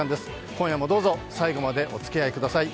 今夜もどうぞ最後までおつきあいください。